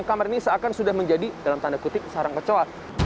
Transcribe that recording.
kamar ini seakan sudah menjadi dalam tanda kutip sarang kecoa